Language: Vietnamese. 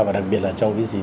và đặc biệt là trong cái gì